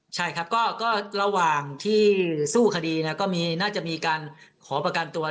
ใช่ครับก็ระหว่างที่สู้คดีก็น่าจะมีการขอประกันตัว